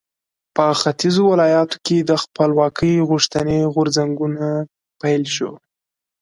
په ختیځو ولایاتو کې د خپلواکۍ غوښتنې غورځنګونو پیل شو.